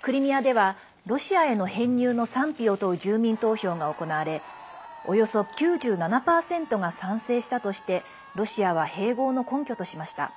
クリミアでは、ロシアへの編入の賛否を問う住民投票が行われおよそ９７％が賛成したとしてロシアは併合の根拠としました。